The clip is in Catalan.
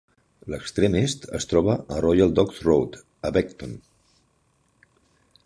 L'extrem est es troba a Royal Docks Road a Beckton.